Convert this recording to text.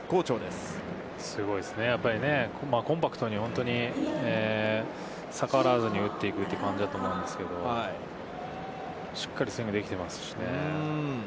すごいですね、やっぱりね、コンパクトに逆らわずに打っていく感じだと思うんですけど、しっかりスイングできていますしね。